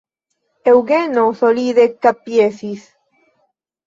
Eŭgeno solide kapjesis.